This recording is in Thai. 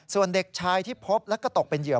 ส่วนเด็กชายที่พบและก็ตกเป็นเหยื่อ